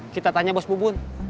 kita tanya bos bubun